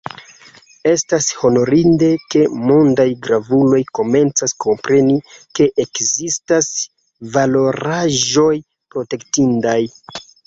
Estas honorinde, ke mondaj gravuloj komencas kompreni, ke ekzistas valoraĵoj protektindaj.